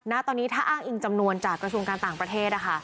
ณตอนนี้ถ้าอ้างอิงจำนวนจากกระทรวงการต่างประเทศนะคะ